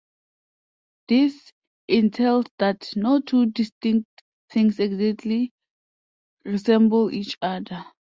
This entails that "no two distinct things exactly resemble each other".